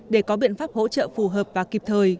để có biện pháp hỗ trợ phù hợp và kịp thời